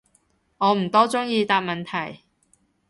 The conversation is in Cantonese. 我唔多中意答問題